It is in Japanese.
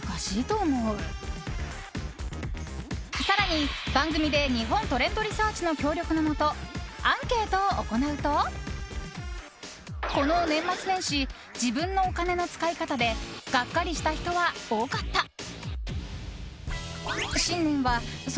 更に、番組で日本トレンドリサーチの協力のもとアンケートを行うとこの年末年始自分のお金の使い方でガッカリした人は多かった。